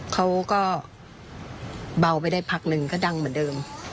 เขาก็เบาไปได้พักหนึ่งก็ดังเหมือนเดิม